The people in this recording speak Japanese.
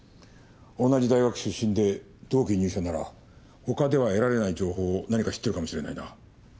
同じ大学出身で同期入社なら他では得られない情報を何か知ってるかもしれないな。